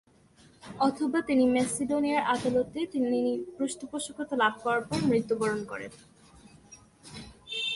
অথবা তিনি মেসিডোনিয়ায় আদালতের তিনি পৃষ্ঠপোষকতা লাভ করার পর মৃত্যুবরণ করেন।